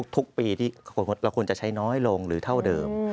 ทุกปีที่เราควรจะใช้น้อยลงหรือเท่าเดิม